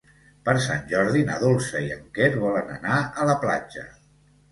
Per Sant Jordi na Dolça i en Quer volen anar a la platja.